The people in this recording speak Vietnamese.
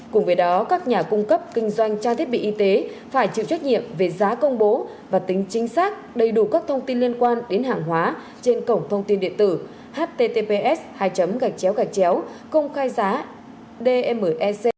cùng với đó các nhà cung cấp kinh doanh trang thiết bị y tế phải chịu trách nhiệm về giá công bố và tính chính xác đầy đủ các thông tin liên quan đến hàng hóa trên cổng thông tin điện tử https hai công khai giá dmec moh gov vn theo quy định